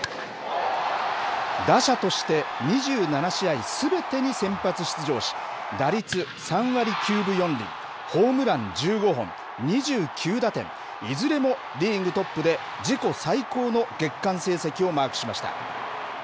打者として２７試合すべてに先発出場し、打率３割９分４厘、ホームラン１５本２９打点、いずれもリーグトップで自己最高の月間成績をマークしました。